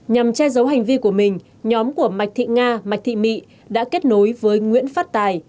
nhằm che giấu hành vi của mình nhóm của mạch thị nga mạch thị mị đã kết nối với nguyễn phát tài